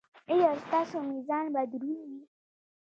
ایا ستاسو میزان به دروند وي؟